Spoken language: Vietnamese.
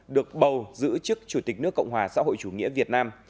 được bầu giữ chức chủ tịch nước cộng hòa xã hội chủ nghĩa việt nam